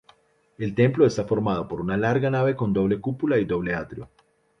El templo está formado por una larga nave con doble cúpula y doble atrio.